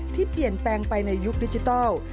ที่เปลี่ยนแปลงไปในยุคดิจิทัล